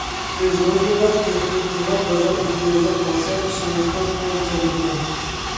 ئۆزىڭىزدە بار تېخنىكىغا بازار ئېھتىياجلىق بولسا ئىشىڭىزنىڭ ئوڭ كەلگىنى.